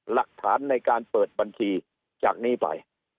หลักฐานในการเปิดบัญชีจากนี้ไป